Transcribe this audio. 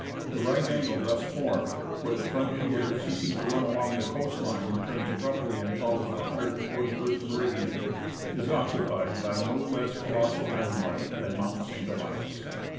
The right angle thus formed, where the frontier, ceasing to run along the coast line, turns abruptly and follows the 141'' meridian, is occupied by no less colossal landmark than Mount St. Elias.